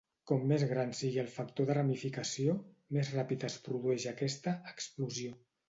Com més gran sigui el factor de ramificació, més ràpid es produeix aquesta "explosió".